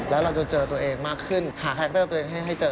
แล้วเราจะเจอตัวเองมากขึ้นหาแฮคเตอร์ตัวเองให้เจอ